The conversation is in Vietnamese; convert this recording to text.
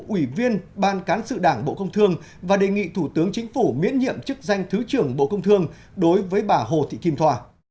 ủy viên ban cán sự đảng bộ công thương và đề nghị thủ tướng chính phủ miễn nhiệm chức danh thứ trưởng bộ công thương đối với bà hồ thị kim thoa